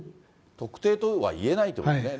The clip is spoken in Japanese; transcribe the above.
特定とは言えないということですね。